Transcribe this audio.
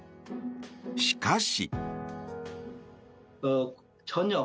しかし。